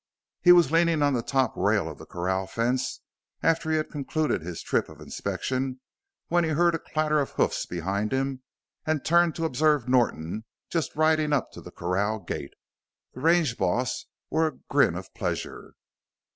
He was leaning on the top rail of the corral fence after he had concluded his trip of inspection when he heard a clatter of hoofs behind him and turned to observe Norton, just riding up to the corral gate. The range boss wore a grin of pleasure.